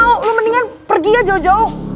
lo mendingan pergi aja jauh jauh